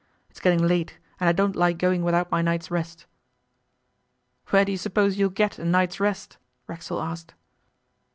It's getting late, and I don't like going without my night's rest.' 'Where do you suppose you'll get a night's rest?' Racksole asked.